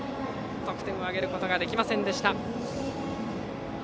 得点を挙げることができませんでした。